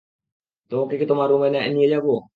তোমাকে কি তোমার রুমে নিয়ে যাব?